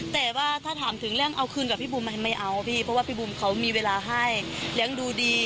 แต่ว่าถ้าถามถึงเรื่องเอาคืนกับพี่บุ๋มไม่เอาพี่เพราะว่าพี่บุ๋มเขามีเวลาให้เลี้ยงดูดี